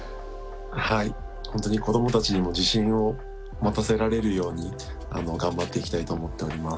はい本当に子どもたちにも自信を持たせられるように頑張っていきたいと思っております。